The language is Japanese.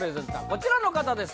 こちらの方です